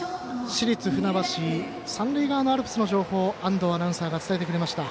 市立船橋、三塁側のアルプスの情報を安藤アナウンサーが伝えてくれました。